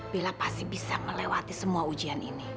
bila pasti bisa melewati semua ujian ini